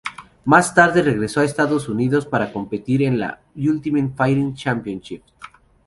Más tarde, regresó a Estados Unidos para competir en el Ultimate Fighting Championship.